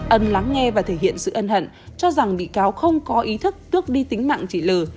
ân lắng nghe và thể hiện sự ân hận cho rằng bị cáo không có ý thức tước đi tính mạng chỉ lừ